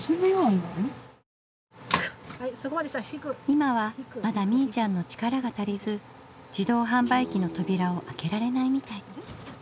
今はまだみいちゃんの力が足りず自動販売機のとびらを開けられないみたい。